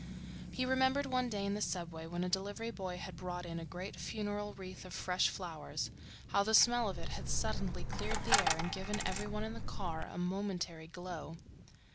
He remembered one day in the subway when a delivery boy had brought in a great funeral wreath of fresh flowers, how the smell of it had suddenly cleared the air and given every one in the car a momentary glow.